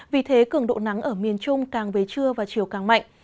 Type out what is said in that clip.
vì thế cường độ nắng ở miền trung càng về trưa và chiều càng mạnh